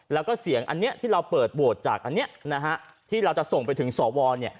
ถึงเสียงอันนี้ที่เราเปิดโหวตอันนี้